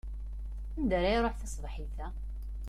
Anda ara iṛuḥ tasebḥit-a?